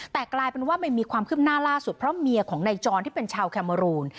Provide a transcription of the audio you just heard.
แต่กลายเป็นว่ามันมีความคืบหน้าล่าสุดเพราะเมียของนายจรที่เป็นชาวแคเมอรูน